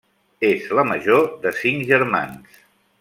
És la major de cinc germans.